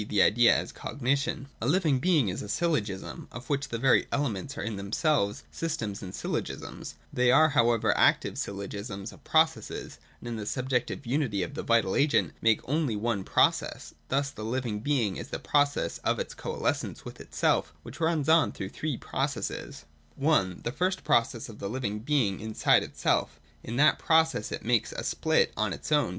the idea as Cognition. 217.] A living being is a syllogism, of which the very elements are in themselves systems and syllogisms (§§ 198, 201, 207). They are however active syllogisms or processes; and in the subjective unity of the vital agent make only one process. Thus the living being is the process of its coalescence with itself, which runs on through three processes. 218.] (i) The first is the process of the living being inside itself. In that process it makes a split on its own 360 THE DOCTRINE OF THE NOTION. [21S, 219.